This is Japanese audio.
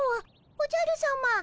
おじゃるさま。